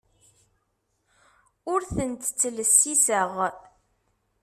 Ur ten-ttlessiseɣ.